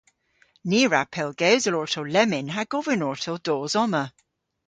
Ni a wra pellgewsel orto lemmyn ha govyn orto dos omma.